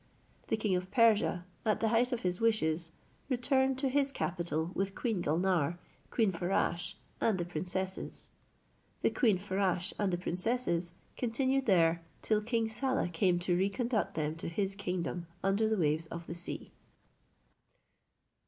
The king of Persia, at the height of his wishes, returned to his capital with Queen Gulnare, Queen Farasche, and the princesses; the Queen Farasche and the princesses continued there till King Saleh came to reconduct them to his kingdom under the waves of the sea.